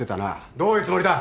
どういうつもりだ！？